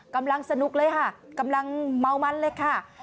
กำลังสนุกเลยค่ะกำลังเมามันเลยค่ะ